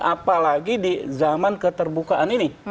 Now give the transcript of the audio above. apalagi di zaman keterbukaan ini